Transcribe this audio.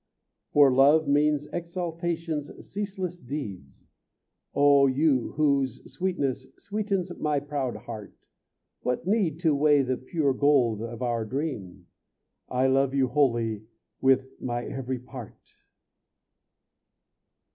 For love means exaltation's ceaseless deeds; Oh you whose sweetness sweetens my proud heart, What need to weigh the pure gold of our dream? I love you wholly, with my every part.